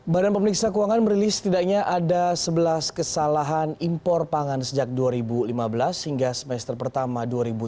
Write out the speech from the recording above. badan pemeriksa keuangan merilis setidaknya ada sebelas kesalahan impor pangan sejak dua ribu lima belas hingga semester pertama dua ribu tujuh belas